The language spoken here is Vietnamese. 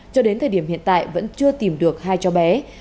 cho đến thời điểm hiện tại vẫn chưa tìm được hai cháu bé